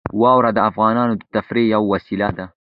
واوره د افغانانو د تفریح یوه وسیله ده.